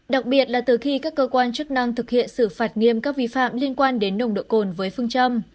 đặc biệt là từ khi các cơ quan chức năng thực hiện xử phạt nghiêm các vi phạm liên quan đến nồng độ cồn với phương châm